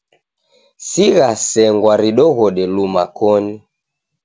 Sigha sengwa ridighode luma koni.